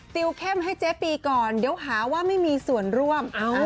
ติวเข้มให้เจ๊ปีก่อนเดี๋ยวหาว่าไม่มีส่วนร่วม